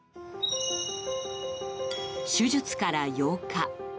手術から８日。